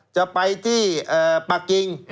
จะไปที่ปากกิง